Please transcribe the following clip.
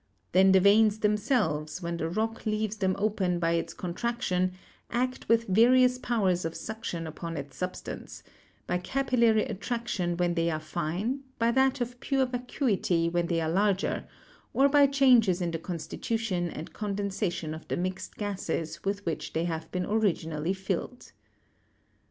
Then the veins themselves, when the rock leaves them open by its contraction, act with various powers of suction upon its substance; by capillary at traction when they are fine, by that of pure vacuity when they are larger, or by changes in the constitution and condensation of the mixed gases with which they have been originally filled.